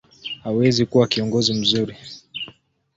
hawezi kuwa kiongozi mzuri.